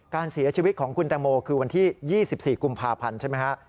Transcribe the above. การเสียชีวิตของคุณแตงโมคือวันที่๒๔กุมภาพันธ์ใช่ไหมฮะ